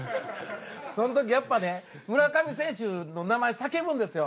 その時やっぱね村上選手の名前叫ぶんですよ。